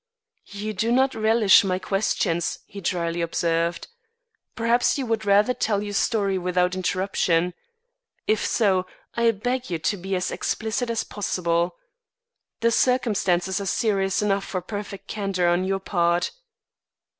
"You do not relish my questions," he dryly observed. "Perhaps you would rather tell your story without interruption. If so, I beg you to be as explicit as possible. The circumstances are serious enough for perfect candour on your part."